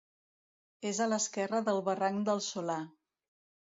És a l'esquerra del barranc del Solà.